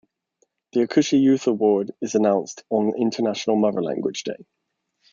The Ekushey Youth Award is announced on International Mother Language Day.